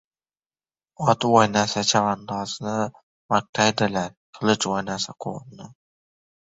• Ot o‘ynasa chavandozni maqtaydilar, qilich o‘ynasa ― qo‘lni.